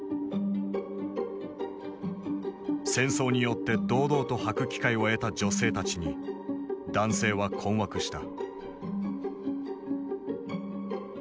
戦争によって堂々とはく機会を得た女性たちに男性は困惑した。